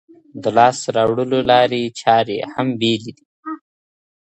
د لاسته راوړلو لارې چاري هم بېلې دي.